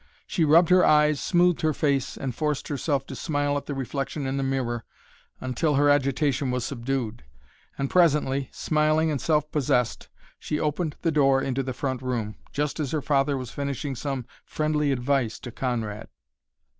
She rubbed her eyes, smoothed her face, and forced herself to smile at the reflection in the mirror until her agitation was subdued. And presently, smiling and self possessed, she opened the door into the front room, just as her father was finishing some friendly advice to Conrad.